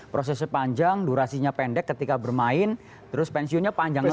prosesnya panjang durasinya pendek ketika bermain terus pensiunnya panjang sekali